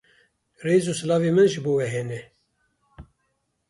Rêz û silavên min ji bo we hene